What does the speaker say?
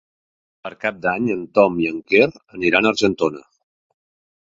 Per Cap d'Any en Tom i en Quer aniran a Argentona.